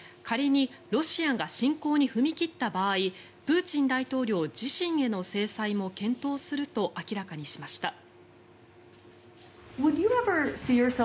仮にロシアが侵攻に踏み切った場合プーチン大統領自身への制裁も検討すると明らかにしました。